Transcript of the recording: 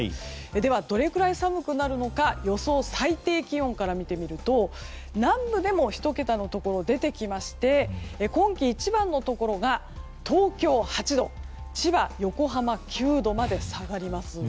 では、どれくらい寒くなるのか予想最低気温から見てみると南部でも１桁のところ出てきまして今季一番のところが東京、８度千葉、横浜９度まで下がります。